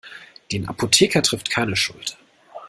Den Apotheker trifft keine Schuld.